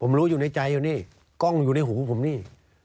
ผมรู้อยู่ในใจอยู่นี่กล้องอยู่ในหูผมนี่